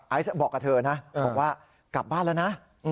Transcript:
บอกกับเธอนะบอกว่ากลับบ้านแล้วนะ